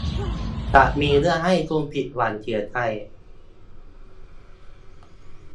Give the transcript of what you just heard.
จะมีเรื่องให้คุณผิดหวังเสียใจ